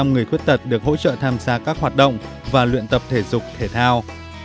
ba mươi người khuyết tật được hỗ trợ tham gia các hoạt động và luyện tập thể dục thể thao